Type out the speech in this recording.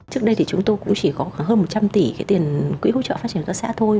trước đây thì chúng tôi cũng chỉ có hơn một trăm linh tỷ cái tiền quỹ hỗ trợ phát triển hợp tác xã thôi